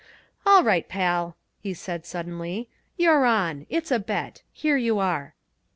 "All right, pal," he said suddenly. "You're on. It's a bet. Here you are."